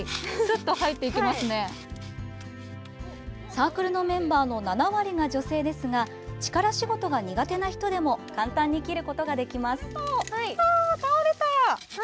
サークルのメンバーの７割が女性ですが力仕事が苦手な人でも簡単に切ることができます。